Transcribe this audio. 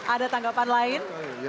ada tanggapan lain